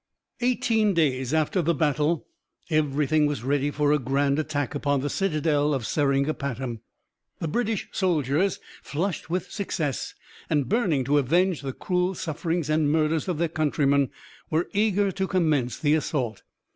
Eighteen days after the battle everything was ready for a grand attack upon the citadel of Seringapatam. The British soldiers, flushed with success, and burning to avenge the cruel sufferings and murders of their countrymen, were eager to commence the assault.